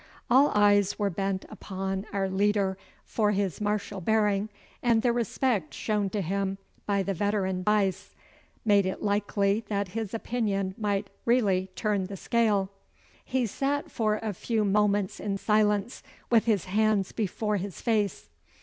All eyes were bent upon our leader, for his martial bearing, and the respect shown to him by the veteran Buyse, made it likely that his opinion might really turn the scale. He sat for a few moments in silence with his hands before his face.